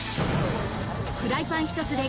フライパン一つで